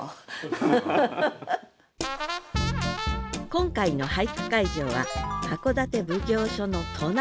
今回の俳句会場は箱館奉行所の隣。